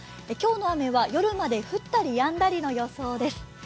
今日の雨は夜まで降ったりやんだりの予想です。